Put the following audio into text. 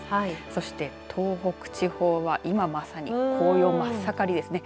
そして、東北地方は今まさに紅葉真っ盛りですね。